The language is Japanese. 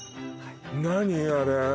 何あれ？